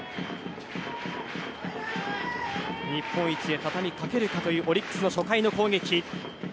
日本一へたたみかけるかというオリックスの初回の攻撃。